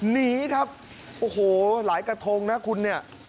หนีครับโอ้โหหลายกระทงนะคุณเนี่ย